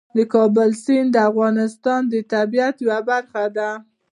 د کابل سیند د افغانستان د طبیعت یوه برخه ده.